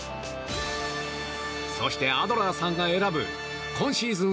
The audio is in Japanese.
そして、アドラーさんが選ぶ今シーズン